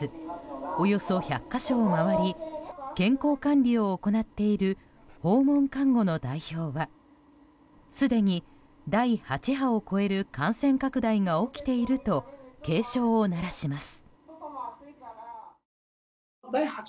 およそ１００か所を回り健康管理を行っている訪問看護の代表はすでに第８波を超える感染拡大が起きていると警鐘を鳴らします。